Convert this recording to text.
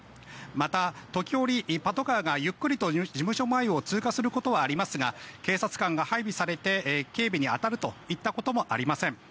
また、時折パトカーがゆっくりと事務所前を通過することはありますが警察官が配備されて警備に当たるといったこともありません。